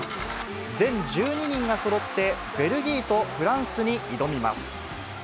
全１２人がそろって、ベルギーとフランスに挑みます。